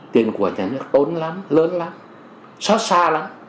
tiền của nhân dân tốn lắm lớn lắm xót xa lắm